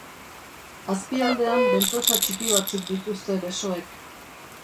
Azpialdean bentosa txiki batzuk dituzte besoek.